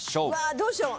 どうしよう。